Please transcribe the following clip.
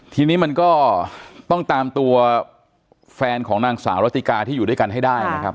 ทีนี้มันก็ต้องตามตัวแฟนของนางสาวรัติกาที่อยู่ด้วยกันให้ได้นะครับ